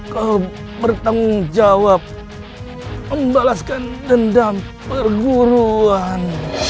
kau bertanggung jawab membalaskan dendam perguruan